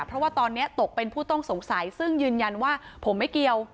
เพราะว่าตอนนี้ตกเป็นผู้ต้องสงสัยซึ่งยืนยันว่าผมไม่เกี่ยว